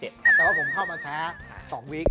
แต่ว่าผมเข้ามาช้า๒วิก